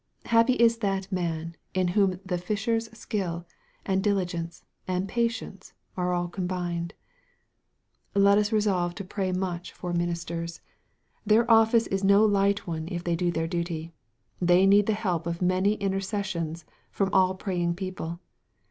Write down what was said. Happy is that man, in whom the fisher's skill, and dili gence, and patience, are all combined I Let us resolve to pray much for ministers. Their office MARK, CHAP I. 11 is no light one if they do their duty, They need the help of many intercessions from all praying people.